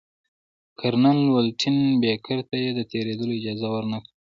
کرنل ولنټین بېکر ته یې د تېرېدلو اجازه ورنه کړه.